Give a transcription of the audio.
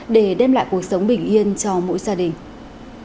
để đem lại cuộc sống bình yên cho mỗi gia đình